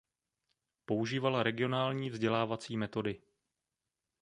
Používala regionální vzdělávací metody.